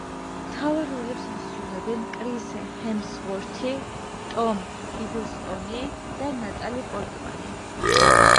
მთავარ როლებს ასრულებენ კრის ჰემსვორთი, ტომ ჰიდლსტონი და ნატალი პორტმანი.